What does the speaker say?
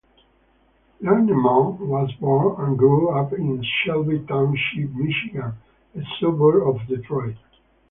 Iagnemma was born and grew up in Shelby Township, Michigan, a suburb of Detroit.